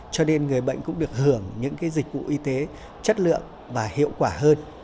cho nên người bệnh cũng được hưởng những dịch vụ y tế chất lượng và hiệu quả hơn